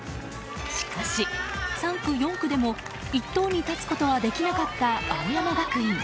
しかし３区、４区でも１等に立つことはできなかった青山学院。